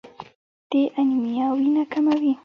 د انیمیا وینه کموي.